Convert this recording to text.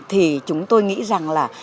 thì chúng tôi nghĩ rằng là